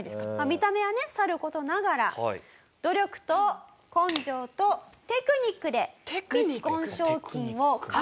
見た目はねさる事ながら努力と根性とテクニックでミスコン賞金を獲得しまくる。